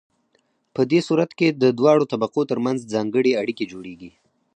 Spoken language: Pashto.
په دې صورت کې د دواړو طبقو ترمنځ ځانګړې اړیکې جوړیږي.